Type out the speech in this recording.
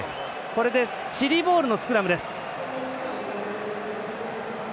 これでチリボールのスクラムです。